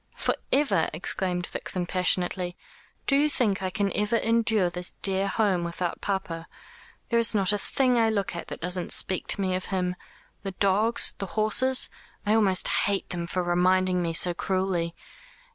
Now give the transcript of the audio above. "For ever!" exclaimed Vixen passionately. "Do you think I can ever endure this dear home without papa? There is not a thing I look at that doesn't speak to me of him. The dogs, the horses. I almost hate them for reminding me so cruelly.